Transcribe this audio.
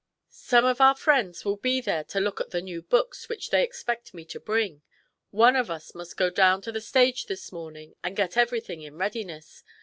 Some of our friends will be there to look at the new books which they expect me to bring. One of us must go down on the stage this morning and get everything in readiness.